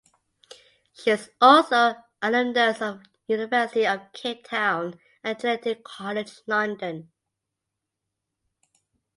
She is also an alumnus of University of Cape Town and Trinity College London.